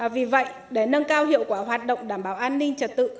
vì vậy để nâng cao hiệu quả hoạt động đảm bảo an ninh trật tự